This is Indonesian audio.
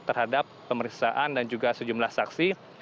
terhadap pemeriksaan dan juga sejumlah saksi